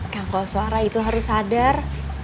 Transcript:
gangkol suara itu harus sadar